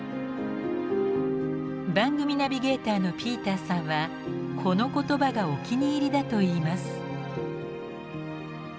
番組ナビゲーターのピーターさんはこの言葉がお気に入りだと言います。